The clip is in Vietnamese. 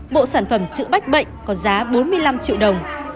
bộ sản phẩm chữa bách bệnh có giá bốn mươi năm triệu đồng